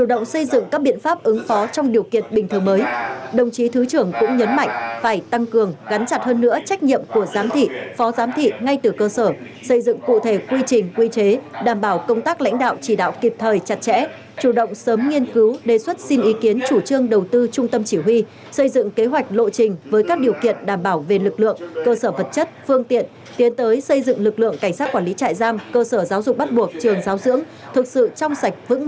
đồng chí thứ trưởng cũng nhấn mạnh phải tăng cường gắn chặt hơn nữa trách nhiệm của giám thị phó giám thị ngay từ cơ sở xây dựng cụ thể quy trình quy chế đảm bảo công tác lãnh đạo chỉ đạo kịp thời chặt chẽ chủ động sớm nghiên cứu đề xuất xin ý kiến chủ trương đầu tư trung tâm chỉ huy xây dựng kế hoạch lộ trình với các điều kiện đảm bảo về lực lượng cơ sở vật chất phương tiện tiến tới xây dựng lực lượng cảnh sát quản lý trại giam cơ sở giáo dục bắt buộc trường giáo dưỡng thực sự trong s